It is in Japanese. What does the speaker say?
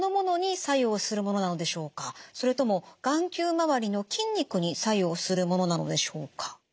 それとも眼球周りの筋肉に作用するものなのでしょうか？」。